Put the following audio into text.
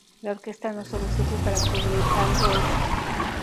La orquesta no sólo sirve para cubrir algo extra.